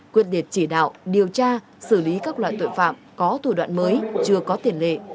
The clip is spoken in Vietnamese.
quyết định chỉ đạo điều tra xử lý các loại tội phạm có thủ đoạn mới chưa có tiền lệ